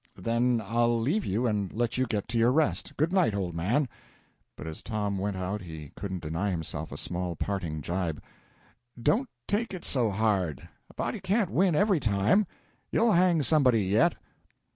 "Then I'll leave you and let you to get to your rest. Good night, old man." But as Tom went out he couldn't deny himself a small parting gibe: "Don't take it so hard; a body can't win every time; you'll hang somebody yet."